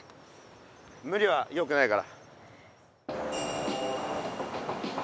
むりはよくないから。